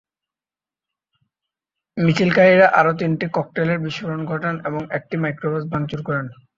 মিছিলকারীরা আরও তিনটি ককটেলের বিস্ফোরণ ঘটান এবং একটি মাইক্রোবাস ভাঙচুর করেন।